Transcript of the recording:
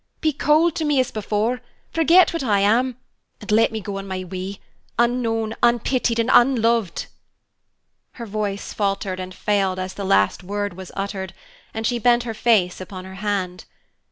Be cold to me as before, forget what I am, and let me go on my way, unknown, unpitied, and unloved!" Her voice faltered and failed as the last word was uttered, and she bent her face upon her hand.